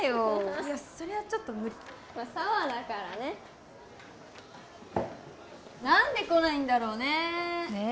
いやそれはちょっと無理まあ紗羽だからね何で来ないんだろうねねえ